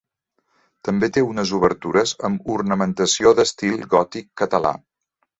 També té unes obertures amb ornamentació d'estil gòtic català.